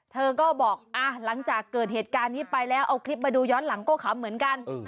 เธอก็บอกหลังจากเกิดเหตุการณ์นี้ไปแล้วเอาคลิปมาดูย้อนหลังก็ขำเหมือนกัน